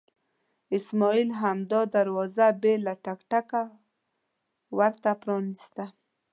اسماعیل همدا دروازه بې له ټک ټکه ورته پرانستله.